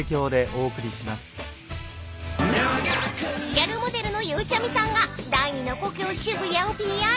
［ギャルモデルのゆうちゃみさんが第２の故郷渋谷をＰＲ］